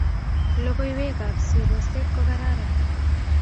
Logoiwek ab sirosek ko kararan